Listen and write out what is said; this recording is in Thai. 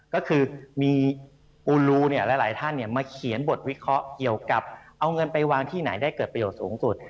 ก็คือมีอูลูหลายท่านมาเขียนบทวิเคราะห์เกี่ยวกับเอาเงินไปวางที่ไหนได้เกิดประโยชน์สูงสุด